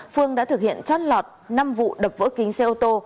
phương đã thực hiện trót lọt năm vụ đập vỡ kính xe ô tô